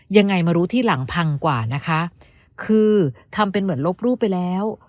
ยังไงมารู้ทีหลังพังกว่านะคะคือทำเป็นเหมือนลบรูปไปแล้ว